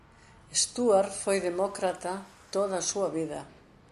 Stuart foi demócrata toda a súa vida.